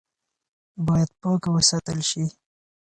باید پاکه وساتل شي.